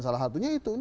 salah satunya itu